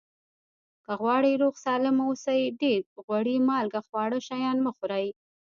که غواړئ روغ سالم اوسئ ډېر غوړي مالګه خواږه شیان مه خوری